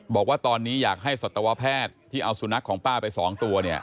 บอกว่าตอนนี้อยากให้สัตวแพทย์ที่เอาสุนัขของป้าไป๒ตัว